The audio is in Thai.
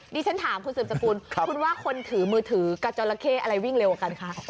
ดิฉันถามคุณสืบสกุลคุณว่าคนถือมือถือกับจราเข้อะไรวิ่งเร็วกว่ากันคะ